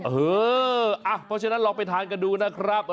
เพราะฉะนั้นลองไปทานกันดูนะครับ